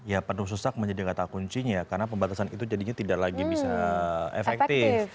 ya penuh sesak menjadi kata kuncinya ya karena pembatasan itu jadinya tidak lagi bisa efektif